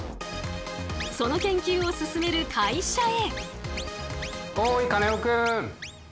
その研究を進める会社へ。